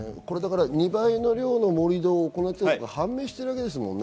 ２倍の量の盛り土を行っていたことが判明してるわけですもんね。